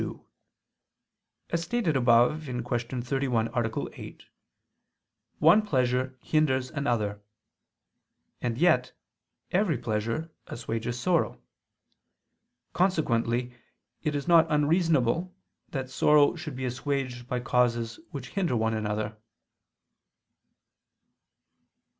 2: As stated above (Q. 31, A. 8), one pleasure hinders another; and yet every pleasure assuages sorrow. Consequently it is not unreasonable that sorrow should be assuaged by causes which hinder one another.